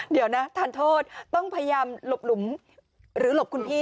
เดี๋ยวนะทานโทษต้องพยายามหลบหลุมหรือหลบคุณพี่